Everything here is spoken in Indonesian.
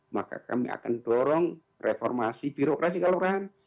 maka kami akan dorong reformasi birokrasi kelurahan